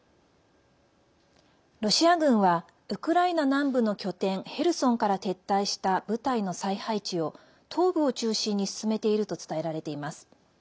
ロシア軍はウクライナ南部の拠点ヘルソンから撤退した部隊の再配置を、東部を中心に進めていると伝えられています。